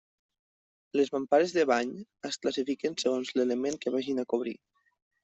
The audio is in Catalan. Les mampares de bany es classifiquen segons l'element que vagin a cobrir.